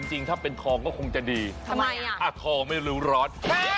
จริงถ้าเป็นทองก็คงจะดีทำไมอ่ะทองไม่รู้ร้อน